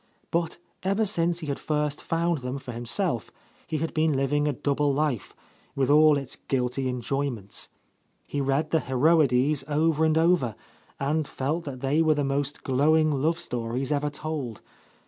But ever since he had first found them for him self, he had been living a double life, with all its guilty enjoyments He read the Heroides over and over, and felt that they were the most glow ing love stories ever told.